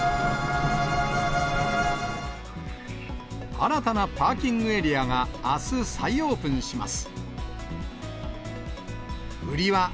新たなパーキングエリアがあす再オープンします。